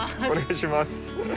お願いします。